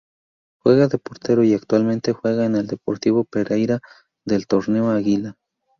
Juega de portero y actualmente juega en el Deportivo Pereira del Torneo Águila.